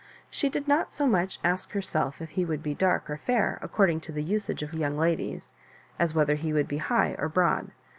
She did not BO much ask herself if he would be dark or fair, according to the usage of young ladies, as whetiier he would be High or Broad.